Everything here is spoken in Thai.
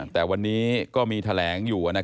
แต่วันนี้ก็มีแถลงอยู่